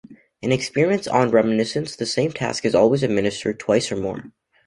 In experiments on reminiscence the same task is always administered twice or more.